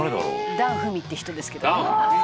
檀ふみって人ですけど。